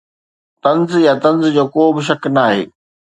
طنز يا طنز جو ڪو به شڪ ناهي